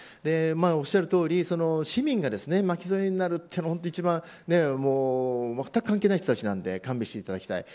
おっしゃるとおり、市民が巻き添えになるというのは一番まったく関係ない人たちなので勘弁していただきたい。